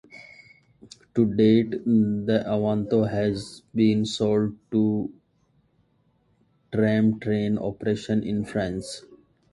To date, the Avanto has been sold to two tram-train operations in France.